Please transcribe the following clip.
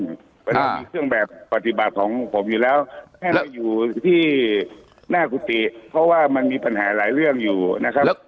เพราะฉะนั้นมีเครื่องแบบปฏิบัติของผมอยู่แล้วให้เราอยู่ที่หน้ากุฏิเพราะว่ามันมีปัญหาหลายเรื่องอยู่นะครับ